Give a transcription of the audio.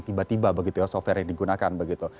tiba tiba begitu ya software yang digunakan begitu